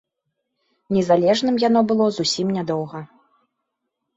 Незалежным яно было зусім нядоўга.